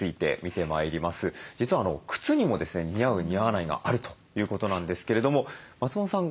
実は靴にもですね似合う似合わないがあるということなんですけれども松本さん